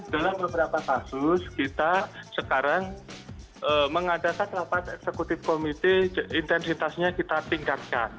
dalam beberapa kasus kita sekarang mengadakan rapat eksekutif komite intensitasnya kita tingkatkan